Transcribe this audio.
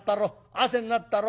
汗になったろ。